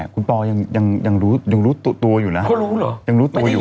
คุณปอยังรู้ตัวอยู่นะ